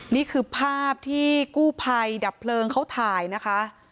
นี่คือภาพที่กู้ภัยดับเพลิงเขาถ่ายนะคะ